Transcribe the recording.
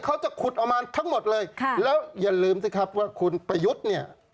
เขาจะขุดออกมาทั้งหมดเลยค่ะแล้วอย่าลืมสิครับว่าคุณประยุทธ์เนี่ย